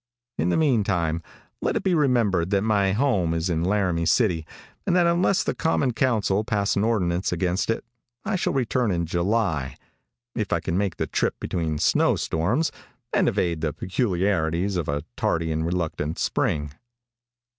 In the meantime, let it be remembered that my home is in Laramie City, and that unless the common council pass an ordinance against it, I shall return in July if I can make the trip between snow storms, and evade the peculiarities of a tardy and reluctant spring.